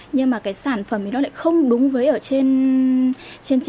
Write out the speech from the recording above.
nhưng mà cái sản phẩm ấy nó lại không đúng với ở trên trang mà các bạn có thể tìm ra